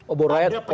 obor rakyat baik lagi